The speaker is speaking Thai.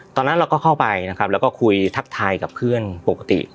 ตอนนั้นเราก็เข้าไปนะครับแล้วก็คุยทักทายกับเพื่อนปกติ